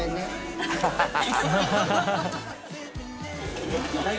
ハハハ